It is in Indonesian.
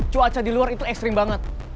cuaca di luar itu ekstrim banget